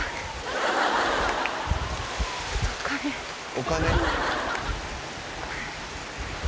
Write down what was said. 「お金」